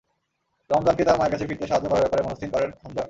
রমজানকে তার মায়ের কাছে ফিরতে সাহায্য করার ব্যাপারে মনস্থির করেন হামজা।